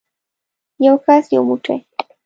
یو کس یو بوټی